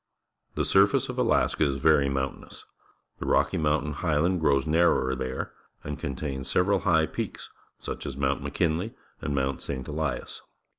The surface of Alaska is very mountainous. MEXICO 139 The Rocky Mmmtain Highland grows nar rower there and contains several high peaks, such as Mount McKinley and Mount St. Elias.